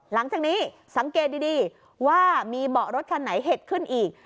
หลังจากนี้สังเกตดีว่ามีเบาะรถคันไหนเห็ดขึ้นอีก